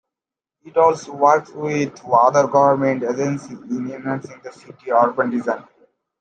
It also works with other government agencies in enhancing the city's urban design.